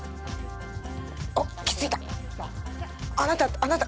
おっ、気づいた！